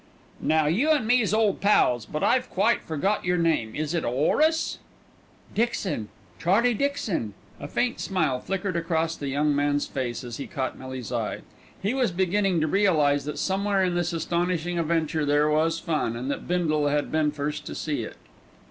"Now you an' me's ole pals, but I've quite forgot yer name. Is it 'Orace?" "Dixon, Charlie Dixon." A faint smile flickered across the young man's face as he caught Millie's eye. He was beginning to realise that somewhere in this astonishing adventure there was fun, and that Bindle had been first to see it.